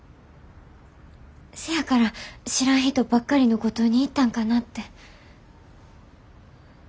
せやから知らん人ばっかりの五島に行ったんかなって。